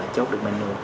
chốt được menu